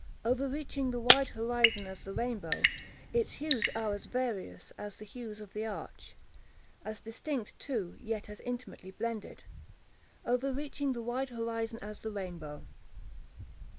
Overreaching the wide horizon as the rainbow, its hues are as various as the hues of that arch—as distinct too, yet as intimately blended. Overreaching the wide horizon as the rainbow!